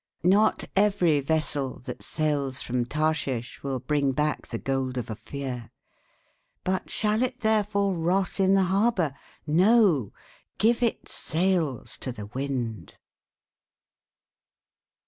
"Not every vessel that sails from Tarshish will bring back the gold of Ophir. But shall it therefore rot in the harbor? No! Give its sails to the wind!"